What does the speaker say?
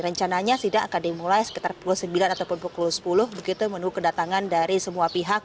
rencananya sidang akan dimulai sekitar pukul sembilan ataupun pukul sepuluh begitu menunggu kedatangan dari semua pihak